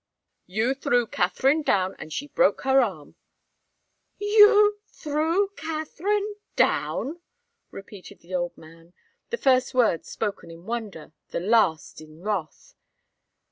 You threw Katharine down, and she broke her arm." "You threw Katharine down!" repeated the old man, the first words spoken in wonder, the last in wrath.